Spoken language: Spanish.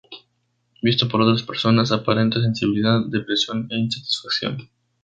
Visto por otras personas, aparenta sensibilidad, depresión e insatisfacción.